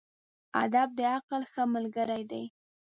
ادب د عقل ښه ملګری دی.